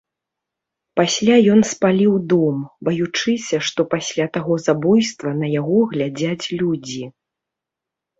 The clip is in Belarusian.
Пасля ён спаліў дом, баючыся, што пасля таго забойства на яго глядзяць людзі.